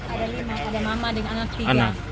ada lima ada mama dan anak tiga